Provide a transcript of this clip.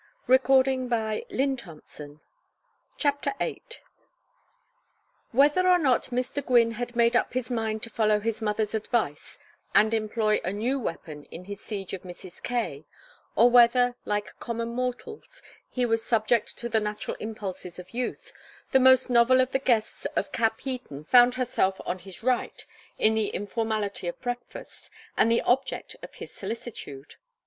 Now run and get ready for breakfast." VIII Whether or not Mr. Gwynne had made up his mind to follow his mother's advice and employ a new weapon in his siege of Mrs. Kaye, or whether, like common mortals, he was subject to the natural impulses of youth, the most novel of the guests of Capheaton found herself on his right in the informality of breakfast, and the object of his solicitude.